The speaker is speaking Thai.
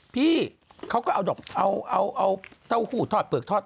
พี่เขาก็เอาจงเอาเต้าหูเต้อและเตอะเนี้ย